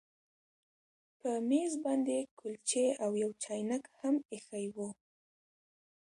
په میز باندې کلچې او یو چاینک هم ایښي وو